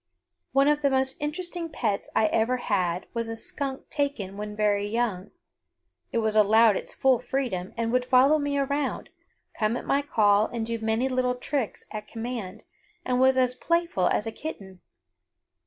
One of the most interesting pets I ever had was a skunk taken when very young. It was allowed its full freedom and would follow me around, come at my call, do many little tricks at command, and was as playful as a kitten.